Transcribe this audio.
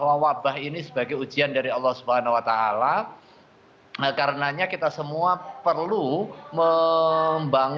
masyarakat yang dibagi jenazah yang diterbitkan pasal covid sembilan belas